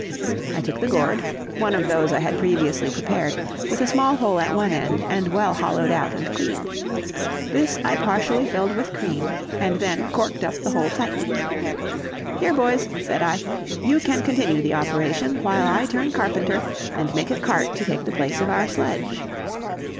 I took the gourd, one of those I had previously prepared, with a small hole at one end and well hollowed out and cleaned; this I partially filled with cream and then corked up the hole tightly. "Here, boys," said I, "you can continue the operation, while I turn carpenter and make a cart to take the place of our sledge."